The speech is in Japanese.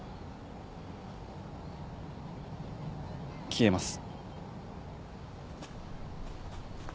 消えます。